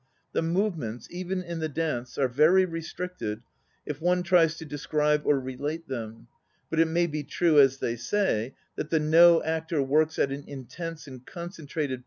The movements, even in the dance, are 'I if one tries to describe or relate tin in. l>ut it may be true, as they say, that the No actor works at an intense and centr !